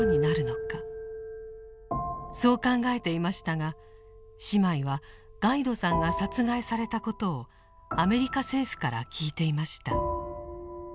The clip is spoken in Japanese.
そう考えていましたが姉妹はガイドさんが殺害されたことをアメリカ政府から聞いていました。